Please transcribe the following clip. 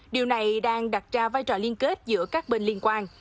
điều này đang đặt ra vai trò liên kết giữa các bên liên quan